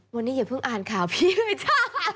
วันนี้อย่าเพิ่งอ่านข่าวพี่เลยจ้า